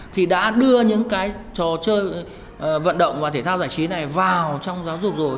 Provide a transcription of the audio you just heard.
thì đã đưa những cái trò chơi vận động và thể thao giải trí này vào trong giáo dục rồi